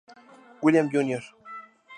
William Jr.